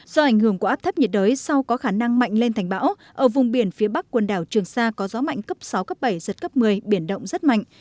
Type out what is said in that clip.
do ảnh hưởng của áp thấp nhiệt đới sau có khả năng mạnh lên thành bão ở vùng biển phía bắc quần đảo trường sa có gió mạnh cấp sáu cấp bảy giật cấp một mươi biển động rất mạnh